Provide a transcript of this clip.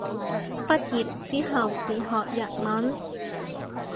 畢業之後自學日文